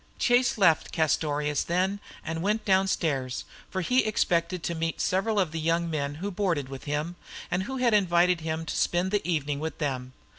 Chase left Castorious then and went downstairs, for he expected to meet several of the young men who boarded with him, and who had invited him to spend the evening with them.